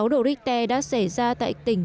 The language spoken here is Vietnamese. sáu độ richter đã xảy ra tại tỉnh